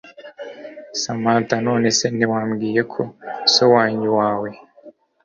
Samantha none se ntiwambwiye ko so wanyu wawe